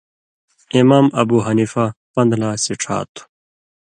(امام ابو حنیفہ) پن٘دہۡ لا سِڇھاتُھو۔